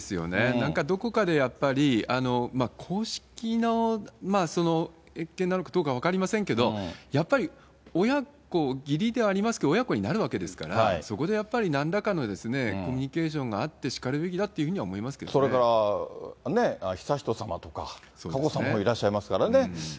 なんかどこかでやっぱり、公式の謁見なのか、どうか分かりませんけれども、やっぱり親子、義理でありますけど、親子になるわけですから、そこでやっぱりなんらかのコミュニケーションがあってしかるべきそれから悠仁さまとか、佳子さまもいらっしゃいますからね。